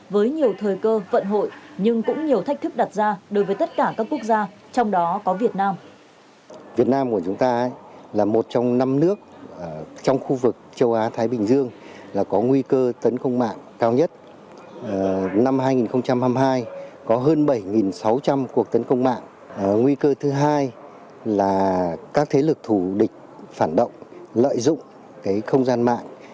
với nhiều thời cơ vận hội nhưng cũng nhiều thách thức đặt ra đối với tất cả các quốc gia trong đó có việt nam